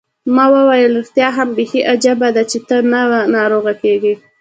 ما وویل: ریښتیا هم، بیخي عجبه ده، چي ته نه ناروغه کېږې.